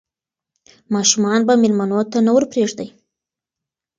ماشومان به مېلمنو ته نه ور پرېږدي.